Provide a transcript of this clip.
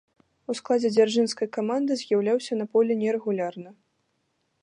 У складзе дзяржынскай каманды з'яўляўся на полі нерэгулярна.